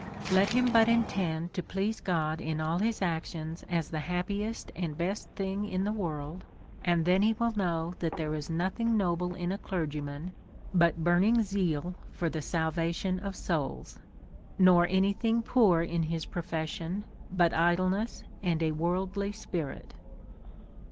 Let him but intend to please God in all his actions as the hap piest and best thing in the worlds and then he will know that there is nothing noble in a clergyman but \ burning zeal for the salvation of souls ; nor any thing \ poor in his profession^ but idleness and a worldly j spirit.